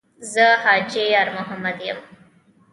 ـ زه حاجي یارمحمد یم.